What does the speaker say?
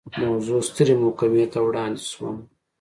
موضوع سترې محکمې ته وړاندې شوه.